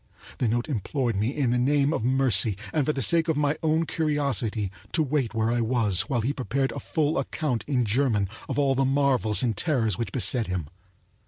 The note implored me in the name of mercy, and for the sake of my own curiosity, to wait where I was while he prepared a full account in German of all the marvels and terrors which beset him.